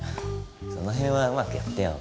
その辺はうまくやってよ。